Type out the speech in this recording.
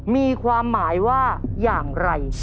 มีความหมายว่าอย่างไร